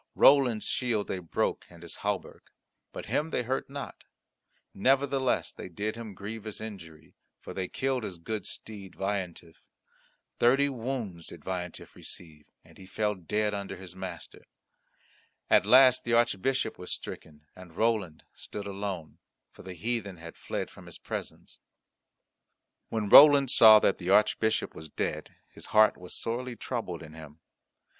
Roland's shield they broke and his hauberk; but him they hurt not; nevertheless they did him a grievous injury, for they killed his good steed Veillantif. Thirty wounds did Veillantif receive, and he fell dead under his master. At last the Archbishop was stricken and Roland stood alone, for the heathen had fled from his presence. When Roland saw that the Archbishop was dead, his heart was sorely troubled in him.